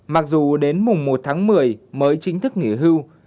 mặc dù đến mùng một tháng một mươi mới chính thức nghỉ hưu